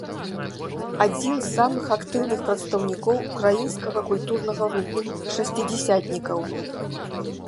Адзін з самых актыўных прадстаўнікоў украінскага культурнага руху шасцідзясятнікаў.